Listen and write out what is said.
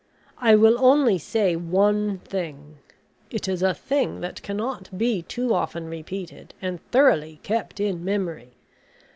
I will only say one thing it is a thing that cannot be too often repeated and thoroughly kept in memory.